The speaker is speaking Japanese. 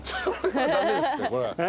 駄目ですってこれ。